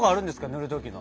塗る時の。